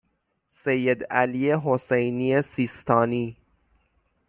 سید علی حسینی سیستانی